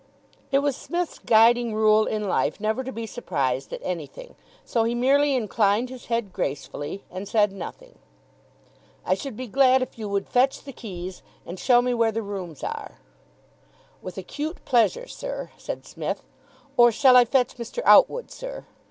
It was Psmith's guiding rule in life never to be surprised at anything, so he merely inclined his head gracefully, and said nothing. "I should be glad if you would fetch the keys and show me where the rooms are." "With acute pleasure, sir," said Psmith. "Or shall I fetch Mr. Outwood, sir?"